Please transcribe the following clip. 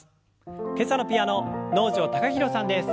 今朝のピアノ能條貴大さんです。